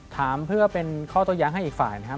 ถามเพื่อเป็นข้อโต้แย้งให้อีกฝ่ายนะครับ